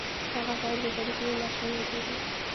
هغه غواړي د تولید نوي ماشینونه وپېري